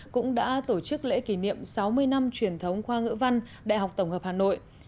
cũng đã tổ chức lễ kỷ niệm sáu mươi năm truyền thống khoa ngữ văn đại học tổng hợp hà nội